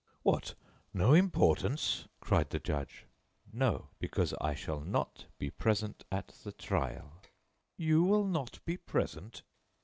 "What! No importance?" cried the judge. "No; because I shall not be present at the trial." "You will not be present?"